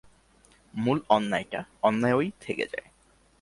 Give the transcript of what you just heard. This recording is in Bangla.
মূল অন্যায়টা অন্যায়ই থেকে যায়।